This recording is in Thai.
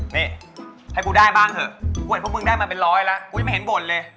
นี่ให้กูได้บ้างเถอะอวดพวกมึงได้มาเป็นร้อยแล้วกูยังไม่เห็นบ่นเลย